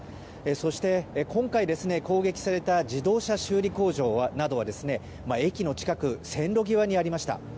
そして、今回攻撃された自動車修理工場などは駅の近く、線路際にありました。